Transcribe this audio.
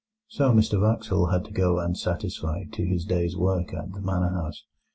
So Mr Wraxall had to go unsatisfied to his day's work at the manor house.